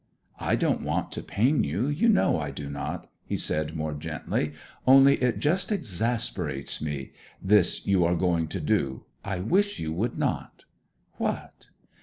'I don't want to pain you you know I do not,' he said more gently. 'Only it just exasperates me this you are going to do. I wish you would not.' 'What?'